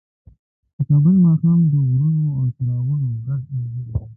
د کابل ماښام د غرونو او څراغونو ګډ انځور دی.